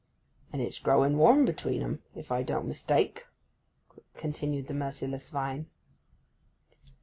'And it's growing warm between 'em if I don't mistake,' continued the merciless Vine.